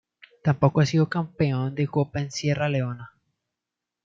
Tampoco ha sido campeón de Copa en Sierra Leona.